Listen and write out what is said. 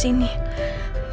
lebih baik gue kehilangan semuanya